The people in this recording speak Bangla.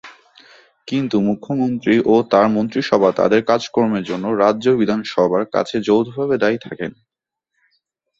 কিন্তু মুখ্যমন্ত্রী ও তার মন্ত্রিসভা তাদের কাজকর্মের জন্য রাজ্য বিধানসভার কাছে যৌথভাবে দায়ী থাকেন।